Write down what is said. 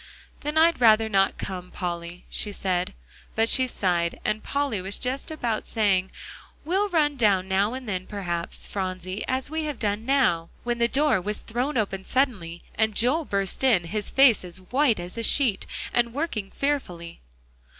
"Then I'd rather not come, Polly," she said. But she sighed and Polly was just about saying, "We'll run down now and then perhaps, Phronsie, as we have done now," when the door was thrown open suddenly, and Joel burst in, his face as white as a sheet, and working fearfully.